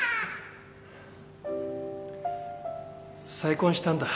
再婚したんだ。